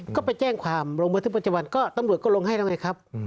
ก็ไปแจ้งความลงบันทึกประจำวันก็ตำรวจก็ลงให้แล้วไงครับ